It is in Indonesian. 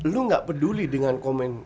lu gak peduli dengan komen